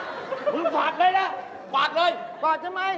จริงฝักเลยนะฝักเลยฝักทำไม